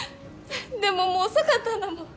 でももう遅かったんだもん。